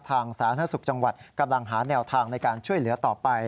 สาธารณสุขจังหวัดกำลังหาแนวทางในการช่วยเหลือต่อไป